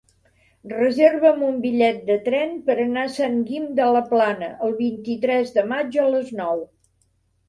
Reserva'm un bitllet de tren per anar a Sant Guim de la Plana el vint-i-tres de maig a les nou.